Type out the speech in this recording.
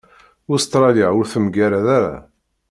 Ustṛalya ur temgarad ara.